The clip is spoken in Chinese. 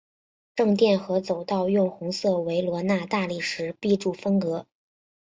正殿和走道用红色维罗纳大理石壁柱分隔。